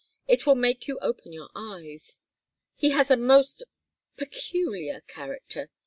"It will make you open your eyes. He has a most peculiar character.